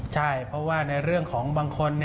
ใช่เพราะว่าในเรื่องของบางคน